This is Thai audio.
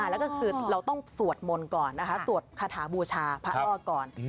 แล้วก็คือเราต้องสวดมนต์ก่อนนะคะสวดคาถาบูชาพระอ้อก่อน